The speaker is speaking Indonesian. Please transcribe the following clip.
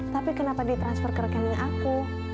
tapi kenapa di transfer ke rekening aku